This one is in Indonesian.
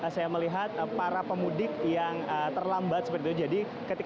saya melihat para pemudik yang terlambat